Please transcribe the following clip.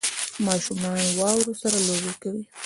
ماشومان واورو سره لوبې کوي